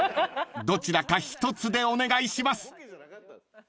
［どちらか一つでお願いします］